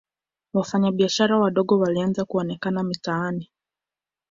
wafanya biashara wadogo walianza kuonekana mitaani